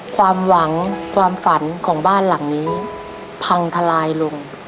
ความหวังความฝันของบ้านหลังนี้พังทลายลง